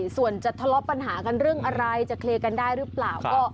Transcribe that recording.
ส่วนจะทะเลาะปัญหากันเรื่องอะไรจะเคลียร์กันได้หรือเปล่า